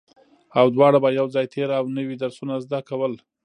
او دواړو به يو ځای تېر او نوي درسونه زده کول